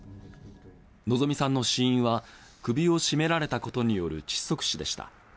希美さんの死因は首を絞められたことによる窒息死でした。